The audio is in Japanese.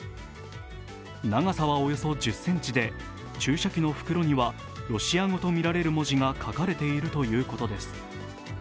長さはおよそ１０ｃｍで注射器の袋にはロシア語とみられる文字が書かれているということです。